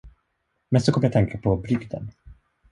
Men så kom jag att tänka på brygden.